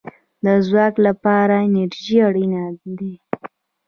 د ځواک لپاره انرژي اړین ده